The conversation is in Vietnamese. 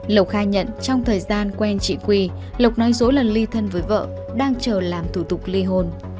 lộc khai nhận trong thời gian quen chị quy lộc nói dối là ly thân với vợ đang chờ làm thủ tục ly hôn